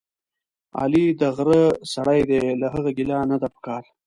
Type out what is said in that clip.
علي دغره سړی دی، له هغه ګیله نه ده پکار.